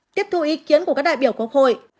tiếp thu ý kiến của các đại biểu quốc hội